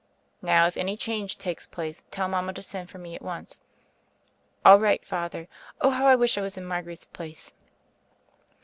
* Now, if any change takes place, tell mama to send for me at once." "All right. Father; oh, how I wish I was in Margaret's place."